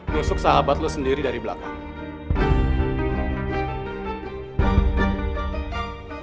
menusuk sahabat lo sendiri dari belakang